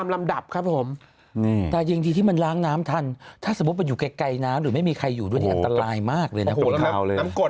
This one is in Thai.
มาดับครับผมตามีที่มันล้างน้ำถันถ้าจะง่วงไปอยู่ไกลน้ำหรือไม่มีใครอยู่ด้วยอันตรายมากเลยนะเลย